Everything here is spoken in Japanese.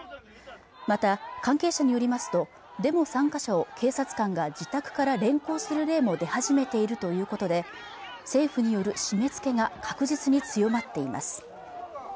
また関係者によりますとデモ参加者を警察官が自宅から連行する例も出始めているということで政府による締め付けが確実に強まっています